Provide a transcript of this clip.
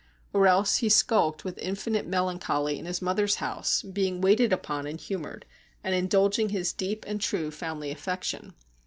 Or else he skulked with infinite melancholy in his mother's house, being waited upon and humoured, and indulging his deep and true family affection.